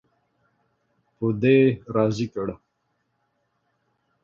په دې راضي کړ.